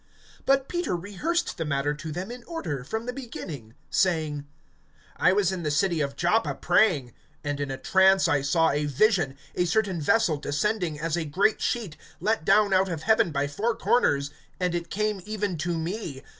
(4)But Peter rehearsed the matter to them in order, from the beginning, saying: (5)I was in the city of Joppa praying; and in a trance I saw a vision, a certain vessel descending, as a great sheet, let down out of heaven by four corners; and it came even to me.